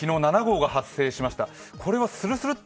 はい、昨日７号が発生しました。